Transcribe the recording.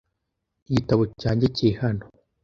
Igitabo cyanjye kiri hano.